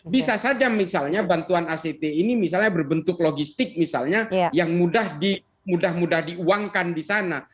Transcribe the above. bisa saja misalnya bantuan act ini misalnya berbentuk logistik misalnya yang mudah mudah diuangkan di sana